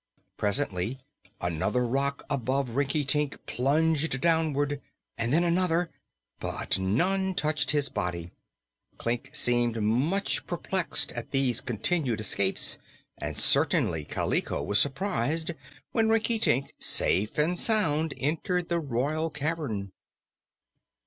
Presently another rock above Rinkitink plunged downward, and then another, but none touched his body. Klik seemed much perplexed at these continued escapes and certainly Kaliko was surprised when Rinkitink, safe and sound, entered the royal cavern.